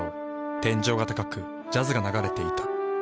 天井が高くジャズが流れていた。